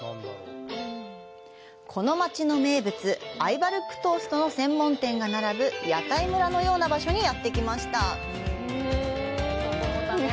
この街の名物アイヴァルックトーストの専門店が並ぶ屋台村のような場所にやってきました。